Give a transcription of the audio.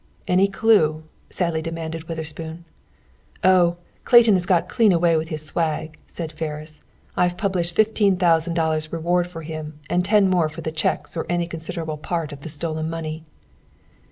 "Any clue?" sadly demanded Witherspoon. "Oh! Clayton has got clean away with his swag," said Ferris. "I've published fifteen thousand dollars' reward for him, and ten more for the cheques or any considerable part of the stolen money."